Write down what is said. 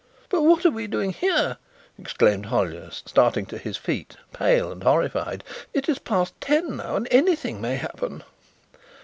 "But what are we doing here!" exclaimed Hollyer, starting to his feet, pale and horrified. "It is past ten now and anything may happen."